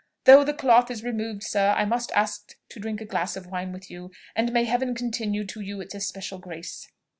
Though the cloth is removed, sir, I must ask to drink a glass of wine with you, and may Heaven continue to you its especial grace!"